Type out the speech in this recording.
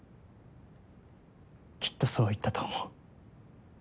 きっとそう言ったと思う。